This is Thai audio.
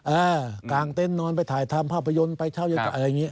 เออกางเต็นต์นอนไปถ่ายทำภาพยนตร์ไปเช่ายังไง